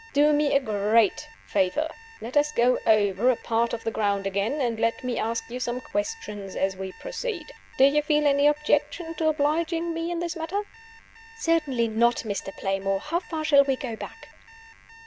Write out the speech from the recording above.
Do me a great favor. Let us go over a part of the ground again, and let me ask you some questions as we proceed. Do you feel any objection to obliging me in this matter?" "Certainly not, Mr. Playmore. How far shall we go back?"